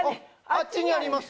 あっちにあります。